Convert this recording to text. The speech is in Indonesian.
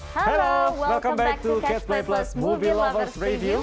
halo selamat datang kembali di catch play plus movie lovers review